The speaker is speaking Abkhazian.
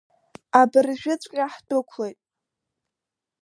Абыржәыҵәҟьа ҳдәықәлоит!